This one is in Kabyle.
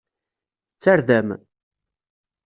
D tarda-m?